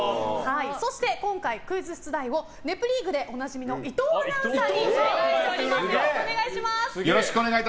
そして、今回クイズ出題を「ネプリーグ」でおなじみの伊藤アナウンサーにお願いしております。